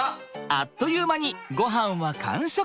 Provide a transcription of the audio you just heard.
あっという間にごはんは完食。